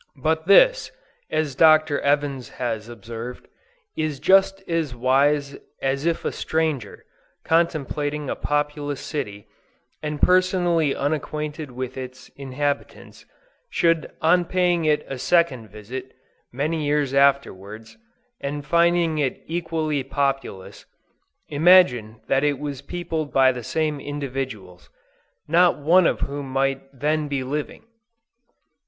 But this, as Dr. Evans has observed, is just as wise as if a stranger, contemplating a populous city, and personally unacquainted with its inhabitants, should on paying it a second visit, many years afterwards, and finding it equally populous, imagine that it was peopled by the same individuals, not one of whom might then be living.